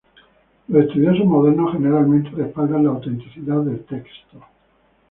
Los estudiosos modernos generalmente respaldan la autenticidad del texto.